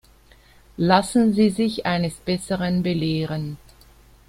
Lassen Sie sich eines Besseren belehren.